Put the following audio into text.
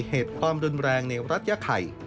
เหตุความรุนแรงในรัฐยาไข่